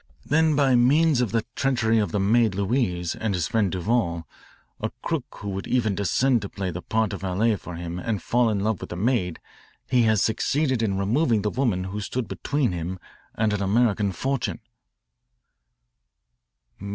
Then by means of the treachery of the maid Louise and his friend Duval, a crook who would even descend to play the part of valet for him and fall in love with the maid, he has succeeded in removing the woman who stood between him and an American fortune."